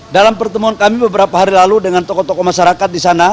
dalam pertemuan kami beberapa hari lalu dengan tokoh tokoh masyarakat di sana